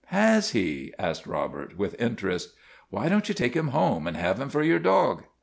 " Has he? " asked Robert, with interest. Why don't you take him home and have him for your dog?'